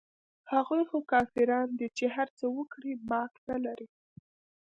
هغوى خو کافران دي چې هرڅه وکړي باک نه لري.